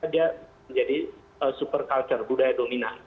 dia menjadi super culture budaya dominan